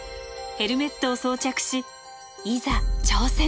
ヘルメットを装着しいざ挑戦。